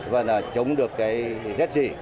và là chống được cái jet xỉ